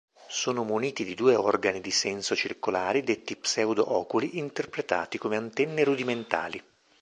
Sono muniti di due organi di senso circolari detti "pseudo-oculi", interpretati come antenne rudimentali.